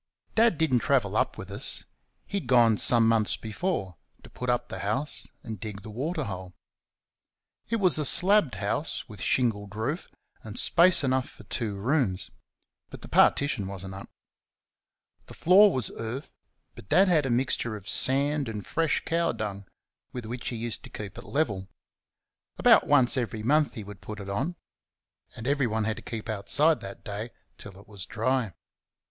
Dad did n't travel up with us: he had gone some months before, to put up the house and dig the waterhole. It was a slabbed house, with shingled roof, and space enough for two rooms; but the partition was n't up. The floor was earth; but Dad had a mixture of sand and fresh cow dung with which he used to keep it level. About once every month he would put it on; and everyone had to keep outside that day till it was dry.